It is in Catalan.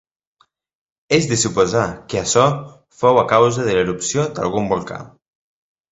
És de suposar que això fou a causa de l'erupció d'algun volcà.